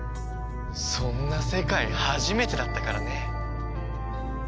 そんな世界初めてだったからね。